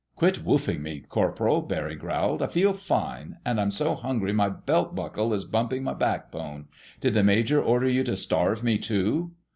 "Quit woofing me, Corporal," Barry growled. "I feel fine. And I'm so hungry my belt buckle is bumping my backbone. Did the major order you to starve me, too?"